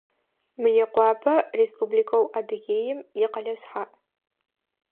Мыекъуапэ Республикэу Адыгеим икъэлэ шъхьаӏ.